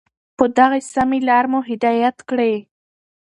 په دغي سمي لار مو هدايت كړې